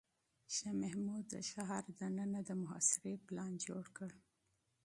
شاه محمود د ښار دننه د محاصرې پلان جوړ کړ.